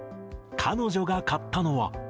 彼女が買ったのは。